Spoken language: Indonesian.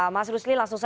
mas rusli langsung saja